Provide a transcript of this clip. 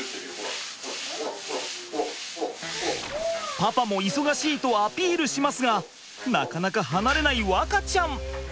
パパも忙しいとアピールしますがなかなか離れない和花ちゃん！